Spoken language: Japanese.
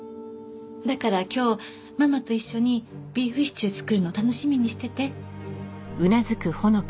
だから今日ママと一緒にビーフシチュー作るの楽しみにしてて。